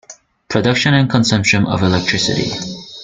Production and Consumption of electricity.